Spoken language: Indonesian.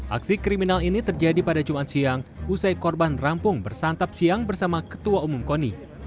aksi kriminal ini terjadi pada jumat siang usai korban rampung bersantap siang bersama ketua umum koni